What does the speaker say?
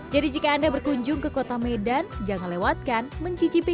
jadi jika anda berkunjung ke kota medan jangan lewatkan mencicipi